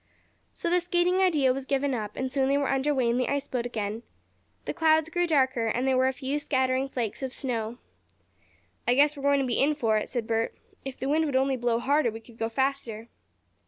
So the skating idea was given up, and soon they were under way in the ice boat again. The clouds grew darker, and there were a few scattering flakes of snow. "I guess we're going to be in for it," said Bert. "If the wind would only blow harder we could go faster."